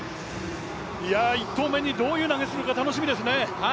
１投目にどういう投げをするか楽しみですね。